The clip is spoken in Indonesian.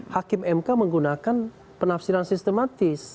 hakim mk menggunakan penafsiran sistematis